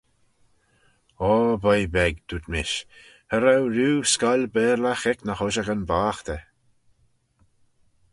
"Aw, boy beg," dooyrt mish, "cha row rieau scoill Baarlagh ec ny h-ushagyn boghtey."